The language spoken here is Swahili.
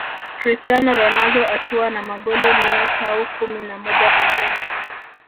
Cristiano Ronaldo akiwa na magoli mia tau kumi na mojapekee